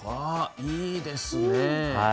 あいいですね。